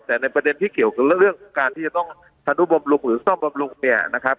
แต่ในประเด็นที่เกี่ยวกับเรื่องการที่จะต้องธนุบำรุงหรือซ่อมบำรุงเนี่ยนะครับ